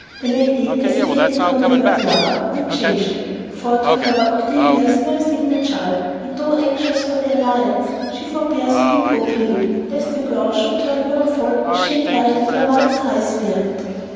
My lady hesitated over the word "lover," and changed it, for to her Octavia still seemed a child, and though anxious for the alliance, she forbore to speak openly, lest the girl should turn willful, as she inherited her mother's high spirit.